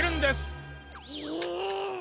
へえ。